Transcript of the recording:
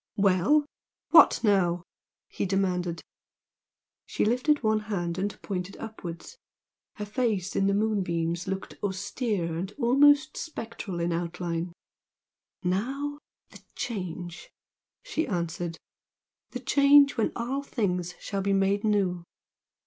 well! What NOW?" he demanded. She lifted one hand and pointed upwards. Her face in the moonbeams looked austere and almost spectral in outline. "Now the Change!" she answered "The Change when all things shall be made new!"